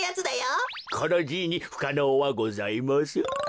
このじいにふかのうはございません。